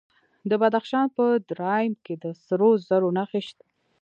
د بدخشان په درایم کې د سرو زرو نښې شته.